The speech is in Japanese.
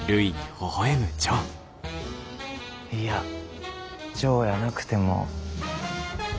いやジョーやなくても。